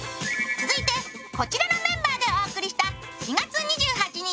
続いて、こちらのメンバーでお送りした４月２８日